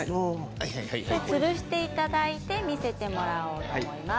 つるしていただいて見せてもらおうと思います。